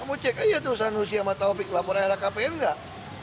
kamu cek aja tuh sanusi sama taufik lapor lhkpn nggak